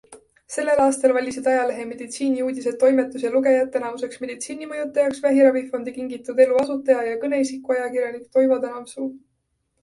Sellel aastal valisid ajalehe Meditsiiniuudised toimetus ja lugejad tänavuseks meditsiinimõjutajaks vähiravifondi Kingitud Elu asutaja ja kõneisiku ajakirjanik Toivo Tänavsuu.